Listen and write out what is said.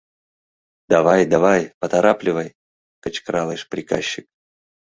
— Давай, давай, поторапливай! — кычкыралеш приказчик.